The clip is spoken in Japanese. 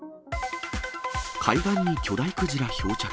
海岸に巨大クジラ漂着。